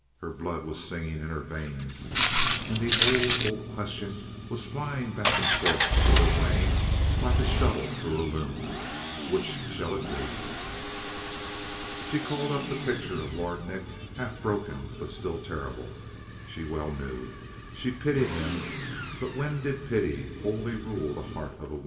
Her blood was singing in her veins, and the old, old question was flying back and forth through her brain like a shuttle through a loom: Which shall it be? She called up the picture of Lord Nick, half broken, but still terrible, she well knew. She pitied him, but when did pity wholly rule the heart of a woman?